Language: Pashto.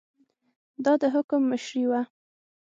دا د حکم مشري وه.